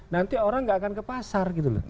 nanti orang nggak akan ke pasar